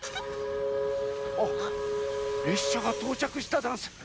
あっれっしゃがとうちゃくしたざんす。